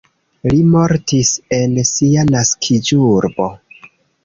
Li mortis en sia naskiĝurbo.